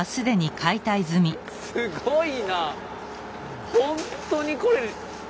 すごいな。